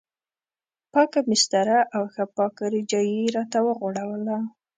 پاکه بستره او ښه پاکه رجایي یې راته وغوړوله.